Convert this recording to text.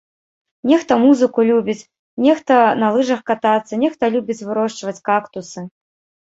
Нехта музыку любіць, нехта на лыжах катацца, нехта любіць вырошчваць кактусы.